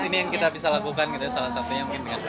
ini yang kita bisa lakukan kita salah satunya